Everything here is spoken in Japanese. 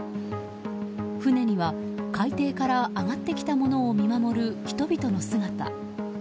船には海底から上がってきたものを見守る、人々の姿。